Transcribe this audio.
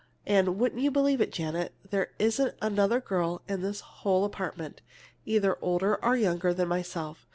And would you believe it, Janet, there isn't another girl in this whole apartment, either older or younger than myself!